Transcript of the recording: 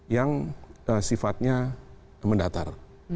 yang sifatnya mendatar